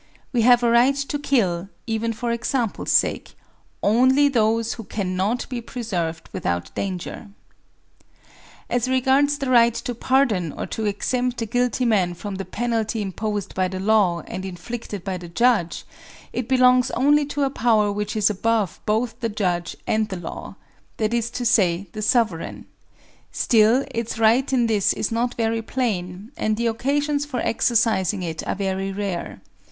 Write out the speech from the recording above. We have a right to kill, even for example's sake, only those who cannot be preserved without danger. As regards the right to pardon or to exempt a guilty man from the penalty imposed by the law and inflicted by the judge, it belongs only to a power which is abov« both the judge and the law, that is to say, the sov^ ereign; still its right in this is not very plain, and the occasions for exercising it are very rare.